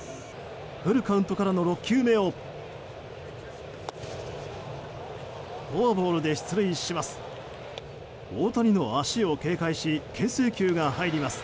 フルカウントからの６球目をフォアボールで出塁します。